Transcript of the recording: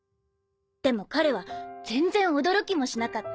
でも彼は全然驚きもしなかった。